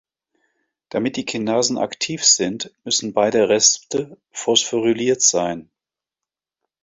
Damit die Kinasen aktiv sind, müssen beide Reste phosphoryliert sein.